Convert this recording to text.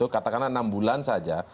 katakanlah enam bulan saja